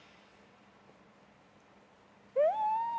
うん！